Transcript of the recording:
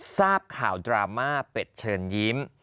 ทราบข่าวดราม่าเป็ดเชิญยิ้ม